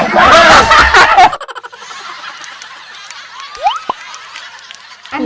อันนี้เฮ้ย